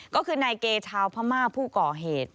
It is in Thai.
ก็คือนายเกชาวพม่าผู้ก่อเหตุ